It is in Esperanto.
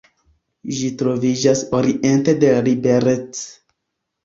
Ĝi troviĝas oriente de Liberec.